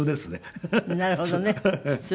なるほどね。